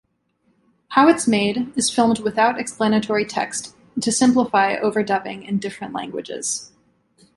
"How It's Made" is filmed without explanatory text to simplify overdubbing in different languages.